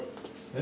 え？